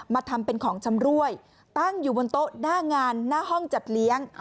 ทำเป็นของชำรวยตั้งอยู่บนโต๊ะหน้างานหน้าห้องจัดเลี้ยง